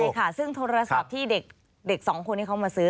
ใช่ค่ะซึ่งโทรศัพท์ที่เด็กสองคนนี้เขามาซื้อ